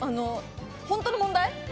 本当の問題？